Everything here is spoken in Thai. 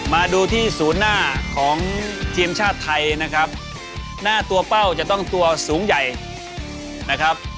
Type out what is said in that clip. มาดูที่ศูนย์หน้าของทีมชาติไทยนะครับหน้าตัวเป้าจะต้องตัวสูงใหญ่นะครับ